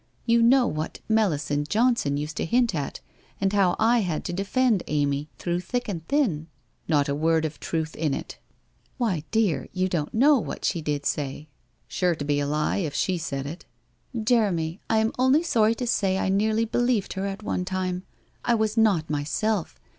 You know what Melisande Johnson osed to hint at, and how I had to defend Amy through thick and thin ?'" N'ot a word of truth in it! ' 'Why, dear, you don't know what she did say?' ■ 424 WHITE ROSE OF WEARY LEAF ' Sure to be a lie if she said it.' ' Jeremy, 1/ am sorry to say I nearly believed her at one time. I was not myself.